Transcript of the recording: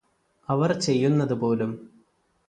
അവർ ചെയ്യുന്നതുപോലും